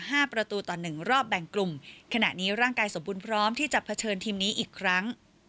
ประตูต่อหนึ่งรอบแบ่งกลุ่มขณะนี้ร่างกายสมบูรณ์พร้อมที่จะเผชิญทีมนี้อีกครั้ง